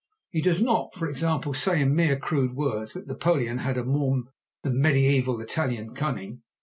He does not, for example, say in mere crude words that Napoleon had a more than mediaeval Italian cunning.